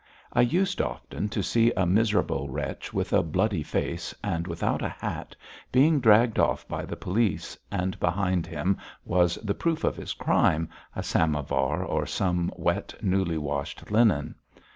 I used often to see a miserable wretch with a bloody face, and without a hat, being dragged off by the police, and behind him was the proof of his crime, a samovar or some wet, newly washed linen.